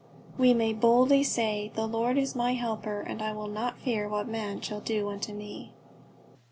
"We may boldly say, The Lord is my helper, and I will not fear what man shall do unto me."